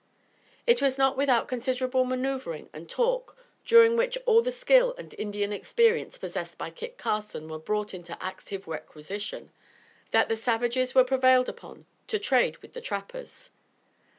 It was not without considerable manoeuvering and talk, during which all the skill and Indian experience possessed by Kit Carson were brought into active requisition, that the savages were prevailed upon to trade with the trappers.